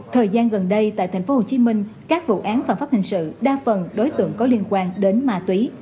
thời gian gần đây tại thành phố hồ chí minh các vụ án phản pháp hình sự đa phần đối tượng có liên quan đến ma túy